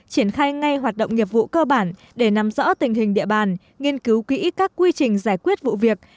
triển khai ngay hoạt động nghiệp vụ cơ bản để nắm rõ tình hình địa bàn nghiên cứu quỹ các quy trình giải quyết vụ việc